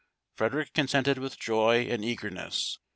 Frederic consented with joy and eagerness.